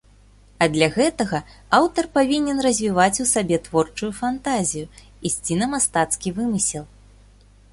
А для гэтага аўтар павінен развіваць у сабе творчую фантазію, ісці на мастацкі вымысел.